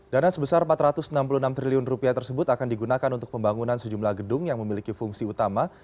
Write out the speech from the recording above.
dana sebesar rp empat ratus enam puluh enam triliun tersebut akan digunakan untuk pembangunan sejumlah gedung yang memiliki fungsi utama